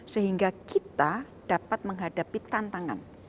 sehingga kita dapat menghadapi tantangan